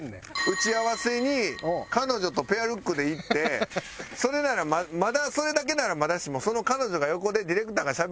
打ち合わせに彼女とペアルックで行ってそれならまだそれだけならまだしもその彼女が横でディレクターがしゃべってるのを。